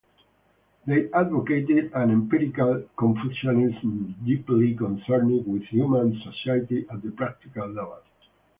They advocated an empirical Confucianism deeply concerned with human society at the practical level.